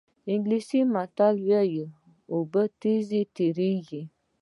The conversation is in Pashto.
انګلیسي متل وایي وخت تېز تېرېږي.